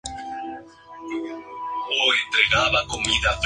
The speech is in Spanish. Fue titular en el primer partido y suplente en el segundo.